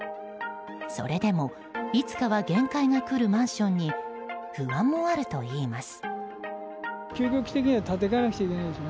それでも、いつかは限界がくるマンションに不安もあるといいます。